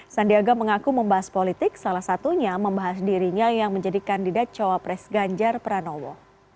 sandiaga mengaku membahas politik salah satunya membahas dirinya yang menjadi kandidat cawapres ganjar pranowo